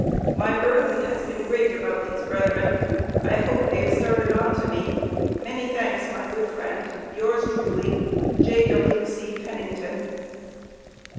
My burden has been great about these brethren. I hope they have started on to me. Many thanks, my good friend. Yours Truly. J.W.C. PENNINGTON.